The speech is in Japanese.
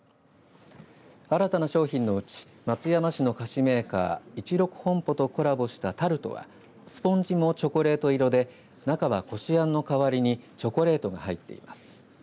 新たな商品のうち松山市の菓子メーカー一六本舗とコラボしたタルトはスポンジもチョコレート色で中はこしあんの代わりにチョコレートが入っています。